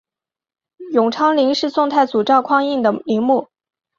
永昌陵是宋太祖赵匡胤的陵墓。